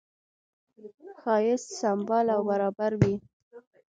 ښایست سمبال او برابر وي.